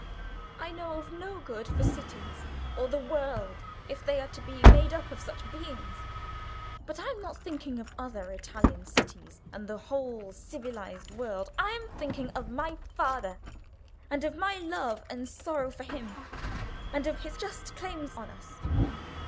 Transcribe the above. "I know of no good for cities or the world if they are to be made up of such beings. But I am not thinking of other Italian cities and the whole civilised world—I am thinking of my father, and of my love and sorrow for him, and of his just claims on us.